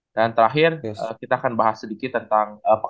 dan terakhir kita akan bahas tim yang menurut kita menarik untuk ditonton musim depan